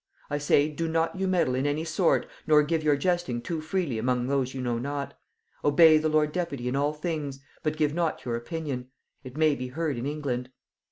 I say, do not you meddle in any sort, nor give your jesting too freely among those you know not; obey the lord deputy in all things, but give not your opinion; it may be heard in England.